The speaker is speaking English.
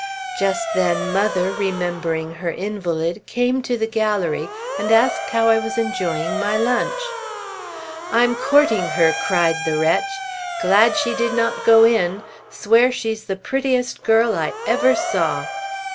Just then, mother, remembering her invalid, came to the gallery and asked how I was enjoying my lunch. "I'm courting her!" cried the wretch. "Glad she did not go in! Swear she's the prettiest girl I ever saw!"